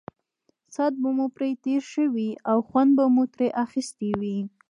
ساعت به مو پرې تېر شوی او خوند به مو ترې اخیستی وي.